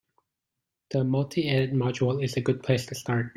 The multi-edit module is a good place to start.